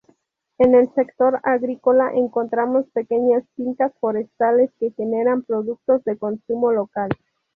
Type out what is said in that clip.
En el sector agrícola encontramos pequeñas fincas forestales que generan productos de consumo local.